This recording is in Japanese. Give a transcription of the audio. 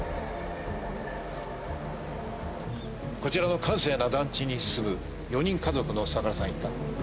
こちらの閑静な団地に住む４人家族の相良さん一家。